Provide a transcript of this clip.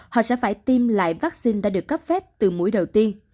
họ sẽ phải tiêm lại vaccine đã được cấp phép từ mũi đầu tiên